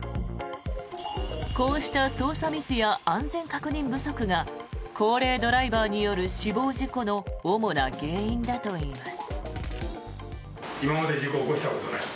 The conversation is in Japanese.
こうした操作ミスや安全確認不足が高齢ドライバーによる死亡事故の主な原因だといいます。